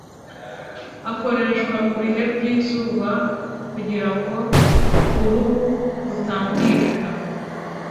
akoreshwa mu bihe by’izuba kugira ngo uruhu rutangirika